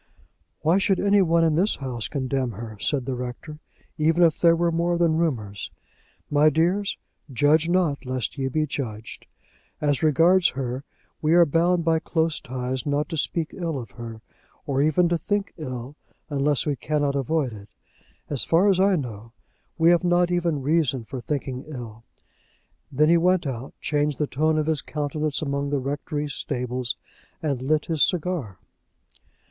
"Why should any one in this house condemn her," said the Rector, "even if there were more than rumours? My dears, judge not, lest ye be judged. As regards her, we are bound by close ties not to speak ill of her or even to think ill, unless we cannot avoid it. As far as I know, we have not even any reason for thinking ill." Then he went out, changed the tone of his countenance among the rectory stables, and lit his cigar.